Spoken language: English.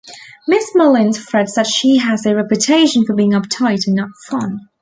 Miss Mullins frets that she has a reputation for being uptight and not fun.